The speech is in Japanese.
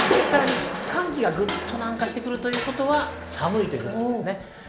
さらに寒気がぐっと南下してくるということは寒いということです。